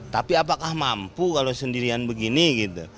tapi apakah mampu kalau sendirian begini gitu